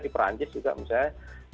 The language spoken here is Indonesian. di perancis juga misalnya